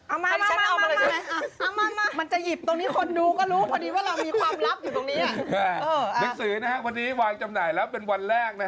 เอามามันจะหยิบตรงนี้คนดูก็รู้พอดีว่าเรามีความลับอยู่ตรงนี้